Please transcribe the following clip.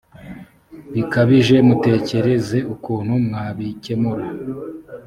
bikabije mutekereze ukuntu mwabikemura